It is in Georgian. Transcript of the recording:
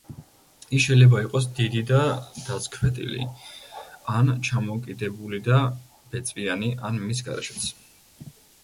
ის შეიძლება იყოს დიდი და დაცქვეტილი, ან ჩამოკიდებული და ბეწვიანი, ან მის გარეშეც.